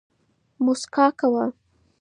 موسکا کوه